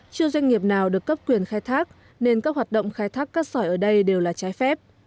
chưa doanh nghiệp nào được cấp quyền khai thác nên các hoạt động khai thác cát sỏi ở đây đều là trái phép